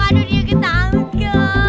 aduh dia ketangguh